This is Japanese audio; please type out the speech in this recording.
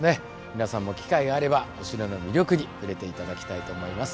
皆さんも機会があればお城の魅力に触れて頂きたいと思います。